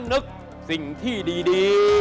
นึกสิ่งที่ดี